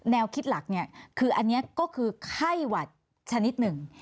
แนวคิดหลักเนี่ยคืออันนี้ก็คือไข้หวัดชนิดหนึ่ง